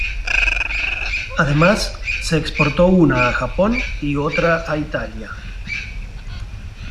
Además, se exportó una a Japón y otra a Italia.